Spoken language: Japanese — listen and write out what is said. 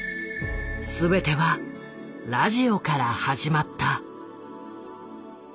全てはラジオから始まった。